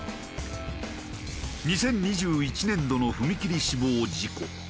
２０２１年度の踏切死亡事故。